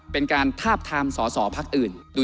เป็นการทาบทามสอสอพักอื่น